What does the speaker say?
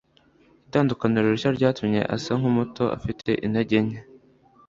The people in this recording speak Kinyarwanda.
itandukaniro rishya ryatumye asa nkumuto, ufite intege nke